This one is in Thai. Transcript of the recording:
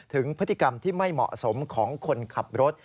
ถึงพฤติกรรมที่ไม่เหมาะสมของคนขับรถ